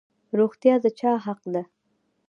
روغتیا د چا حق دی؟